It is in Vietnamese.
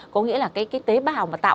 có nghĩa là cái tế bào mà tạo